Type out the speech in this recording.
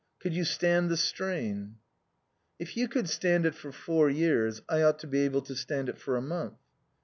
Could you stand the strain?" "If you could stand it for four years I ought to be able to stand it for a month."